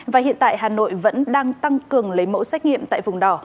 và hiện tại hà nội vẫn đang tăng cường lấy mẫu xét nghiệm tại vùng đỏ